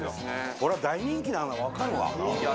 これは大人気なの分かるわ。